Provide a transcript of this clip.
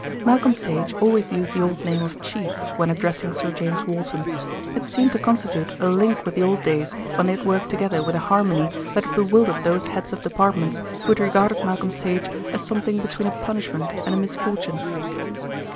Malcolm Sage always used the old name of "Chief" when addressing Sir James Walton. It seemed to constitute a link with the old days when they had worked together with a harmony that had bewildered those heads of departments who had regarded Malcolm Sage as something between a punishment and a misfortune.